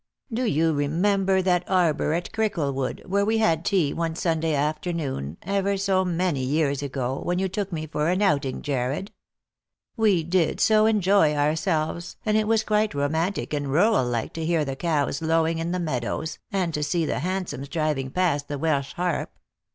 " Do you remember that arbour at Cricklewood, where we had tea one Sunday afternoon, ever so many years ago, when you took me for an outing, Jarred ? We did so enjoy ourselves, and it was quite romantic and rural like to hear the cows lowing in the meadows, and see the hansoms driving past to the Welsh Harp."